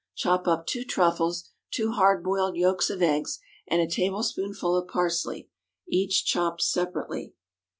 Chop up two truffles, two hard boiled yolks of eggs, and a tablespoonful of parsley, each chopped separately.